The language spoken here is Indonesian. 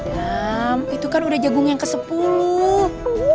hmm itu kan udah jagung yang ke sepuluh